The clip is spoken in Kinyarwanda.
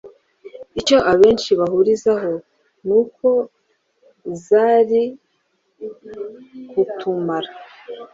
icyo abenshi bahurizaho ni uko zari kutumara